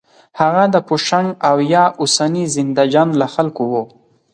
هغه د پوشنګ او یا اوسني زندهجان له خلکو و.